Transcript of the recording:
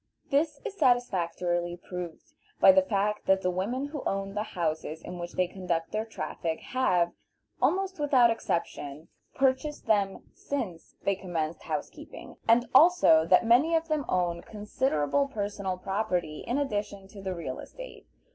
This is satisfactorily proved by the fact that the women who own the houses in which they conduct their traffic have, almost without exception, purchased them since they commenced housekeeping, and also that many of them own considerable personal property in addition to the real estate.